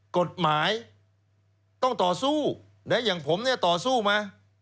กฎหมายต้องต่อสู้อย่างผมเนี่ยต่อสู้มา